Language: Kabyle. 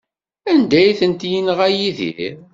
Anda ay tent-yenɣa Yidir?